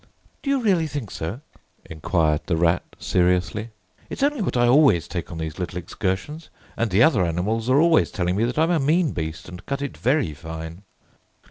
"Do you really think so?" enquired the Rat seriously. "It's only what I always take on these little excursions; and the other animals are always telling me that I'm a mean beast and cut it very fine!"